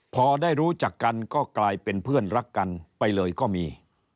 พอได้รู้จักกันก็กลายเป็นเพื่อนรักกันไปเลยก็มี